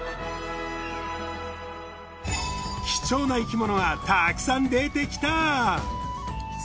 貴重な生き物がたくさん出てきた。